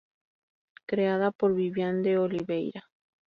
Creada por Vivian de Oliveira.